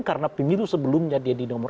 karena pemilu sebelumnya dia di nomor enam